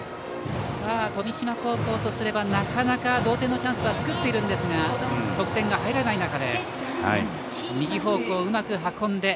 富島高校とすればなかなか同点のチャンスは作っているんですが得点が入らない中で右方向、うまく運んで。